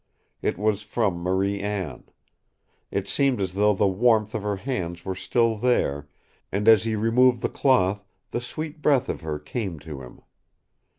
It was from Marie Anne. It seemed as though the warmth of her hands were still there, and as he removed the cloth the sweet breath of her came to him.